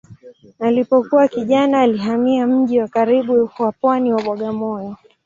Alipokuwa kijana alihamia mji wa karibu wa pwani wa Bagamoyo.